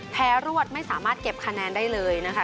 รวดไม่สามารถเก็บคะแนนได้เลยนะคะ